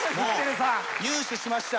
入手しました。